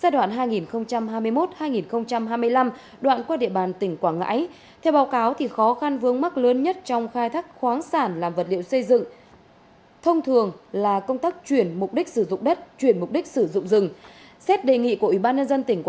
trước đó ủy ban nhân dân tỉnh quảng ngãi đã báo cáo thủ tướng chính phủ về kết quả thực hiện nhiệm vụ được giao liên quan đến dự án xây dựng công trình đường bộ cao tốc bắc nam phía đông